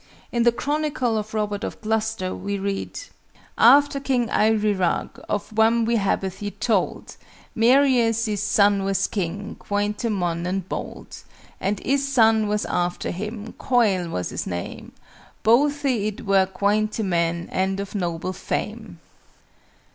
In the Chronicle of Robert of Gloucester we read: "Aftur Kyng Aruirag, of wam we habbeth y told, Marius ys sone was kyng, quoynte mon & bold. And ys sone was aftur hym, Coil was ys name, Bothe it were quoynte men, & of noble fame."